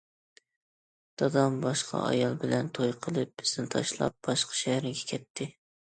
دادام باشقا ئايال بىلەن توي قىلىپ بىزنى تاشلاپ باشقا شەھەرگە كەتتى.